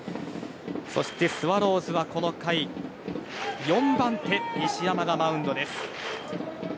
そしてスワローズは、この回４番手、石山がマウンドです。